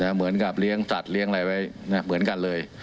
เหมือนกับเลี้ยงสัตว์เลี้ยงอะไรไว้เหมือนกันเลย